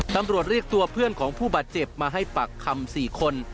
ตำรวจเรียกตัวเพื่อนของผู้บาดเจ็บมาให้ปากคำ๔คน